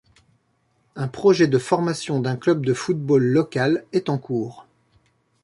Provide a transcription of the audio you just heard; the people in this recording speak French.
Un projet de formation d'un club de football local est en cours.